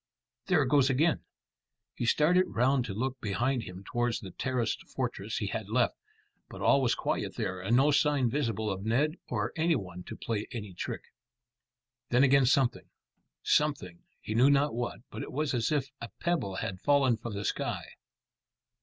There it goes again." He started round to look behind him towards the terraced fortress he had left, but all was quiet there and no sign visible of Ned or any one to play any trick. Then again something something, he knew not what; but it was as if a pebble had fallen from the sky.